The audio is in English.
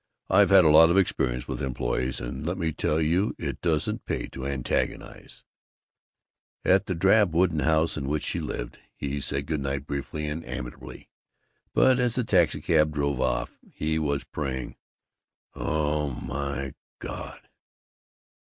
I've had a lot of experience with employees, and let me tell you it doesn't pay to antagonize " At the drab wooden house in which she lived he said good night briefly and amiably, but as the taxicab drove off he was praying "Oh, my God!"